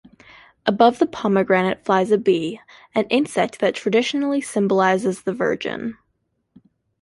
Above the pomegranate flies a bee, an insect that traditionally symbolizes the Virgin.